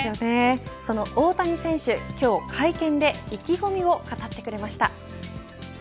その大谷選手、今日会見で意気込みを語ってくれました。